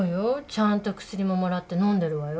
ちゃんと薬ももらってのんでるわよ。